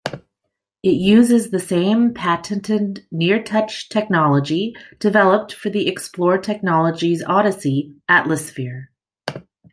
It uses the same patented "NearTouch" technology developed for the Explore Technologies Odyssey Atlasphere.